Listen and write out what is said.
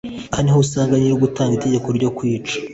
Aha ni ho usanga nyir’ugutanga itegeko ryo kwica